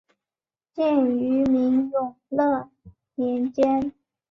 建于明永乐年间。